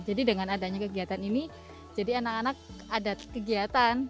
jadi dengan adanya kegiatan ini jadi anak anak ada kegiatan